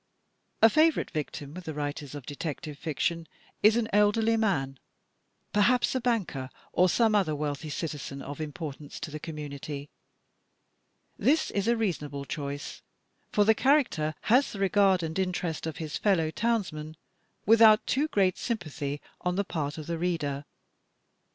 A favorite victim with the writers of Detective Fiction is an elderly man, perhaps a banker, or some other wealthy citizen of importance to the community. This is a reasonable choice, for the character has the regard and interest of his fellow townsmen, without too great sympathy on the part of the reader.